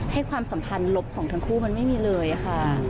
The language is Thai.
ความสัมพันธ์ลบของทั้งคู่มันไม่มีเลยค่ะ